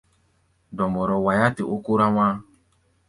Dɔmbɔrɔ waiá tɛ ó kórá wá̧á̧.